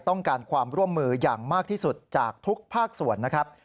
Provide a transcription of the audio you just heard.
ต้องการความร่วมมืออย่างมากที่สุดจากทุกภาคส่วนนะครับ